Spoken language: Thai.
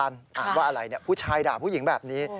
อ่านว่าอะไรผู้ชายด่าผู้หญิงแบบนี้